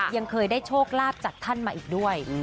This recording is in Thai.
ยังเคยได้โชคลาภจากท่านมาอีกด้วย